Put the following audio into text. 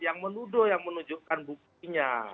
yang menuduh yang menunjukkan buktinya